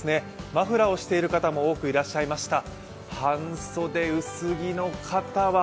マフラーをしている方も多くいらっしゃいました。